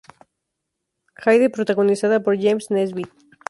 Hyde", protagonizada por James Nesbitt.